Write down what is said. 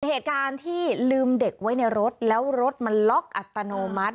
เหตุการณ์ที่ลืมเด็กไว้ในรถแล้วรถมันล็อกอัตโนมัติ